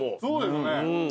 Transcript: そうですね。